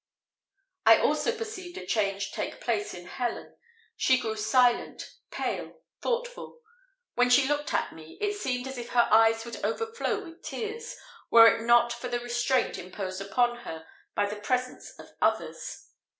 I also perceived a change take place in Helen she grew silent, pale, thoughtful. When she looked at me, it seemed as if her eyes would overflow with tears, were it not for the restraint imposed upon her by the presence of others.